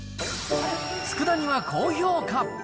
つくだ煮は高評価。